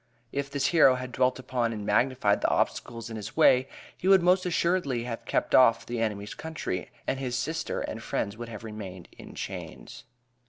If this hero had dwelt upon and magnified the obstacles in his way he would most assuredly have kept off the enemy's country, and his sister and friends would have remained in chains.